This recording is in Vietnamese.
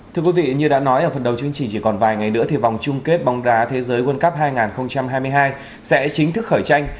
thưa quý vị như đã nói ở phần đầu chương trình chỉ còn vài ngày nữa thì vòng chung kết bóng đá thế giới world cup hai nghìn hai mươi hai sẽ chính thức khởi tranh